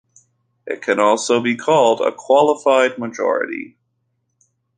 It can also be called a qualified majority.